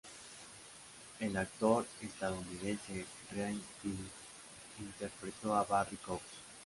El actor estadounidense Ryan Phillippe interpretó a Barry Cox.